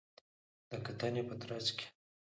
د کتنې په ترڅ کې